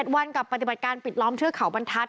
วันกับปฏิบัติการปิดล้อมเทือกเขาบรรทัศน